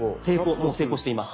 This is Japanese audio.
もう成功しています。